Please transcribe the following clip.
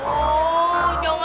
oh jangan lupa